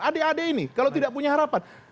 adik adik ini kalau tidak punya harapan